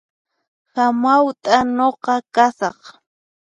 Hamawt'a nuqa kasaq